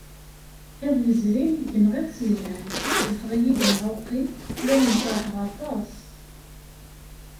Iḍ yezrin gneɣ iḍes yelhan, yeffeɣ-iyi umɛuqqi, lliɣ necraḥeɣ aṭas.